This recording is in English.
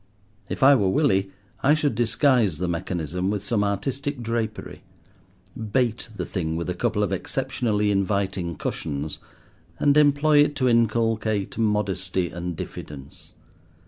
If I were Willie I should disguise the mechanism with some artistic drapery, bait the thing with a couple of exceptionally inviting cushions, and employ it to inculcate modesty and diffidence.